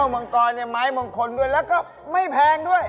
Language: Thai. มันมันกรและไม่แพงด้วย